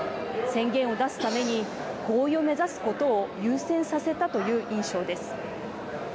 宣言を出すために合意を目指すことを優先させたという印象です。